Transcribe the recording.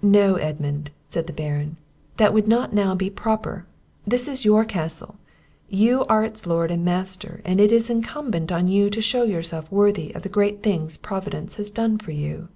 "No, Edmund," said the Baron, "that would not now be proper; this is your castle, you are its lord and master, and it is incumbent on you to shew yourself worthy of the great things Providence has done for you."